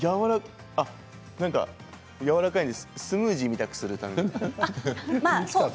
やわらかいスムージーみたくするため。